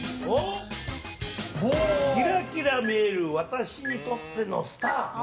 キラキラ見える私にとってのスター。